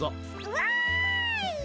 わい！